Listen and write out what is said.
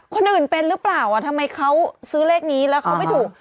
คนอื่นเป็นหรือเปล่าทำไมเขาซื้อเลขนี้แล้วเขาไม่ถูก